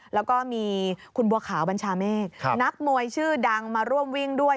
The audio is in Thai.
แล้วก็มีคุณบัวขาวบัญชาเมฆนักมวยชื่อดังมาร่วมวิ่งด้วย